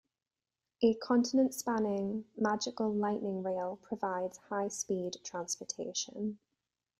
A continent-spanning magical "lightning rail" provides high speed transportation.